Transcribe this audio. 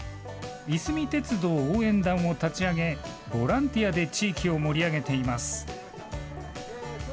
いすみ鉄道応援団を立ち上げボランティアで地域を盛り上げています。